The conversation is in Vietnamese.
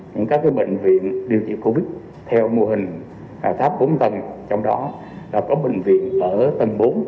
những các bệnh viện điều trị covid theo mô hình tháp bốn tầng trong đó có bệnh viện ở tầng bốn